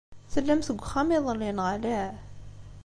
Tellamt deg uxxam iḍelli, neɣ ala?